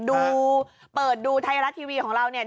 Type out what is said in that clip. ดูเปิดดูไทยรัฐทีวีของเราเนี่ย